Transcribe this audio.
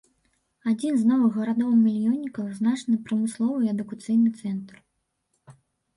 Адзін з новых гарадоў-мільённіках, значны прамысловы і адукацыйны цэнтр.